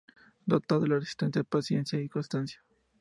Dotado de resistencia, paciencia y constancia.